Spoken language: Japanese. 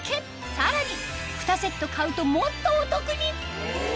さらに２セット買うともっとお得に！